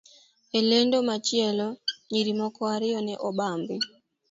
E lendo machielo, nyiri moko ariyo ne obambi,